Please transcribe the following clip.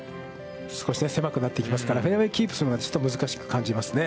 少し狭くなってきますからフェアウェイをキープするのがちょっと難しく感じますね。